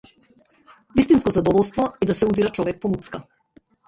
Вистинско задоволство е да се удира човек по муцка!